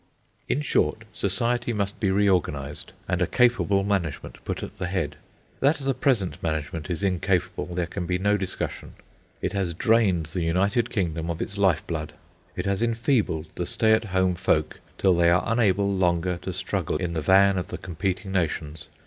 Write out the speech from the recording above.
In short, society must be reorganised, and a capable management put at the head. That the present management is incapable, there can be no discussion. It has drained the United Kingdom of its life blood. It has enfeebled the stay at home folk till they are unable longer to struggle in the van of the competing nations.